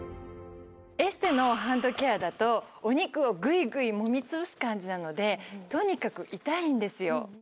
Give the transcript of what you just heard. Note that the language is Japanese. エステのハンドケアだとお肉をぐいぐいもみつぶす感じなのでとにかく痛いんですよ。